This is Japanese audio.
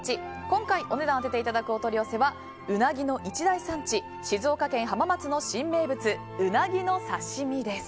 今回、お値段を当てていただくお取り寄せはうなぎの一大産地静岡県浜松市の新名物、うなぎの刺身です。